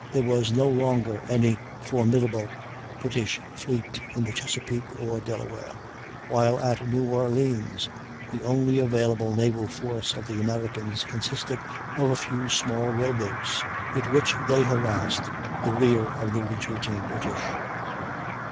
There was no longer any formidable British fleet in the Chesapeake or Delaware, while at New Orleans the only available naval force of the Americans consisted of a few small row boats, with which they harassed the rear of the retreating British.